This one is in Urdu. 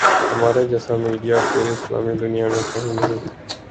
ہمارے جیسا میڈیا پوری اسلامی دنیا میں کہیں نہیں۔